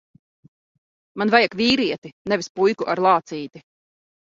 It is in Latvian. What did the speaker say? Man vajag vīrieti, nevis puiku ar lācīti.